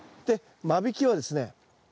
で間引きはですね